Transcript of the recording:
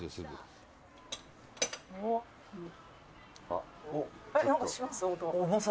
「あっ」